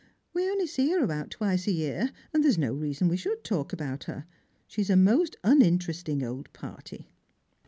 We only see her about twice a year, and there's no reason we should talk about her. She's a most uninteresting old party."